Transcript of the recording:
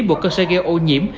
bộ cơ sở gây ô nhiễm